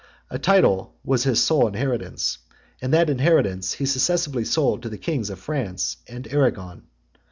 A title was his sole inheritance; and that inheritance he successively sold to the kings of France and Arragon.